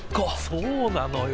そうなのよ。